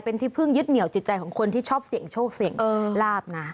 เป็นที่พึ่งยึดเหนียวจิตใจของคนที่ชอบเสี่ยงโชคเสี่ยงลาบนะ